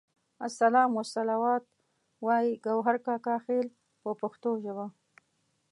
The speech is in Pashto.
السلام والصلوات وایي ګوهر کاکا خیل په پښتو ژبه.